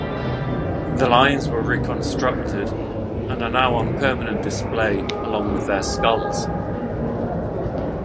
The lions were reconstructed and are now on permanent display along with their skulls.